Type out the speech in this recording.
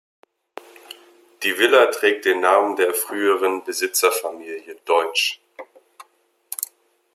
Die Villa trägt den Namen der früheren Besitzerfamilie Deutsch.